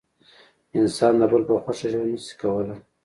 انسان د بل په خوښه ژوند نسي کولای.